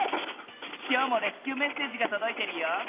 きょうもレスキューメッセージがとどいてるよ。